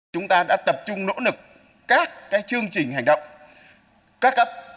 chúng ta đã tập trung nỗ lực các chương trình hành động các cấp